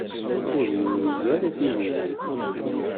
Ur yuri ara tiririt.